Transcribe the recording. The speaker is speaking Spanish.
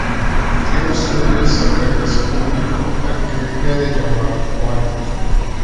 Dios le dio a Zacarías un hijo al que debía llamar Juan.